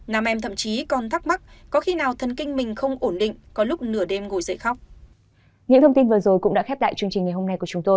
nam em thậm chí còn thắc mắc có khi nào thần kinh mình không ổn định có lúc nửa đêm ngồi dậy khóc